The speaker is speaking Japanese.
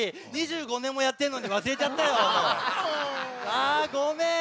あごめん。